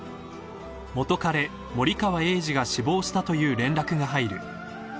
［元カレ森川栄治が死亡したという連絡が入る］